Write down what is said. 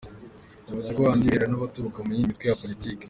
Yavuze ko kandi ibyo bireba n’abazaturuka mu yindi mitwe ya politiki.